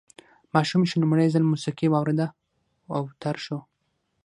ماشوم چې لومړی ځل موسیقي واورېده اوتر شو